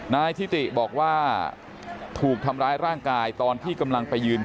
นายทิติบอกว่าถูกทำร้ายร่างกายตอนที่กำลังไปยืน